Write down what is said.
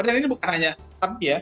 dan ini bukan hanya sapi ya